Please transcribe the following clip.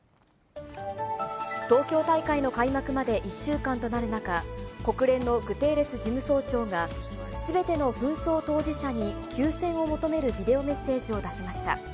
東京大会の開幕まで１週間となる中、国連のグテーレス事務総長が、すべての紛争当事者に休戦を求めるビデオメッセージを出しました。